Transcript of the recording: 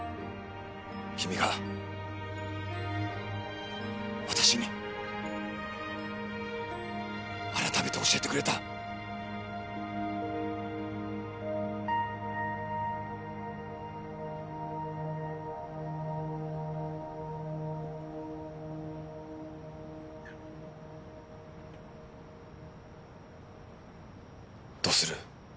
君が私に改めて教えてくれたどうする？